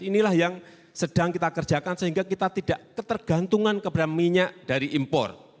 inilah yang sedang kita kerjakan sehingga kita tidak ketergantungan kepada minyak dari impor